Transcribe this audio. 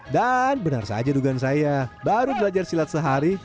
dan benar saja dugaan saya baru belajar silat sehari